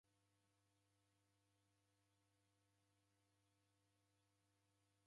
Dapatwa ni ghizamie